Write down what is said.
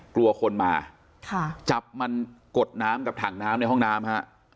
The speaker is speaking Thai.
กลัวคนมาจับมันกดน้ำกับถังน้ำในห้องน้ำฮะ